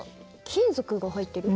金属が入ってる？